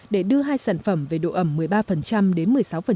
để đưa hai sản phẩm về độ ẩm một mươi ba đến một mươi sáu